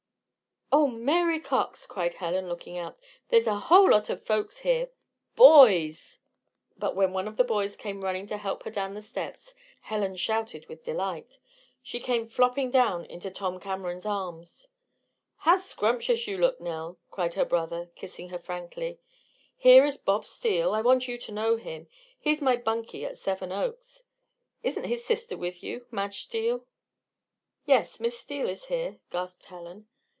"Oh, Mary Cox!" cried Helen, looking out, "there's a whole lot of folks here BOYS!" But when one of the boys came running to help her down the steps, Helen shouted with delight. She came "flopping" down into Tom Cameron's arms. "How scrumptious you look, Nell!" cried her brother, kissing her frankly. "Here is Bob Steele I want you to know him. He's my bunkie at Seven Oaks. Isn't his sister with you Madge Steele?" "Yes. Miss Steele's here," gasped Helen.